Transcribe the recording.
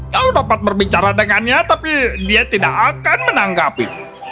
kau dapat berbicara dengannya tapi dia tidak akan menanggapi